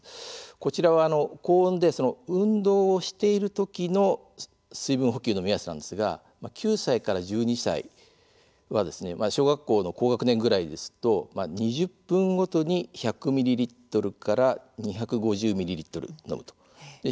こちらは高温で運動をしている時の水分補給の目安ですが９歳から１２歳小学校高学年くらいですと２０分ごとに１００ミリリットルから２５０ミリリットル飲むということです。